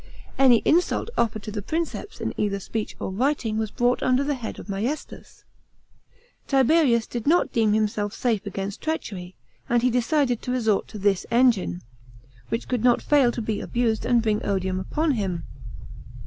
Any insult offered to the Pnnceps in either speech or writing, was brought under the head of maiestas. Tiberius did not deem himself safe against treachery, and he decided to resort to this engine, which could not fail to be abused and bring odium upon him.